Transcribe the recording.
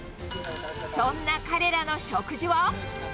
そんな彼らの食事は。